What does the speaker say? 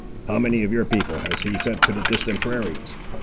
How many of your people has he sent to the distant prairies?"